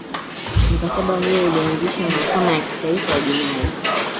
mkataba huo ulianzisha mahakama ya kimataifa ya jinai